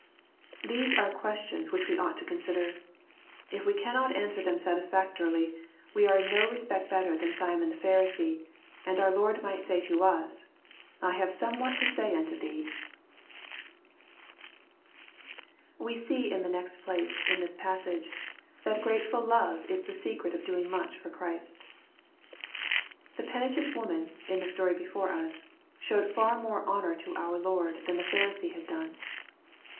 — These are questions which we ought to consider. If we cannot answei them satisfactorily, we are in no respect better 236 SXP08IT0BT THOUaHxS. than Simon the Pharisee ; and our Lord might saj to us, " I have somewhat to say unto thee/' We see, in the next place, in this passage, that grate* ful love i% the secret of doing much for Christ, The penitent woman, in the story before us, showed far more honor to our Lord than' the Pharisee had done.